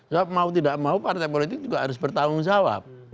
karena mau tidak mau partai politik juga harus bertanggung jawab